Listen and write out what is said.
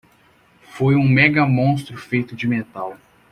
Foi um mega monstro feito de metal.